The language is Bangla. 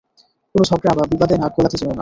কোনো ঝগড়া বা বিবাদে নাক গলাতে যেও না।